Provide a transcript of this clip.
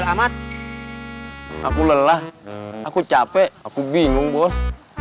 amat aku lelah aku capek aku bingung bos